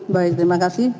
baik terima kasih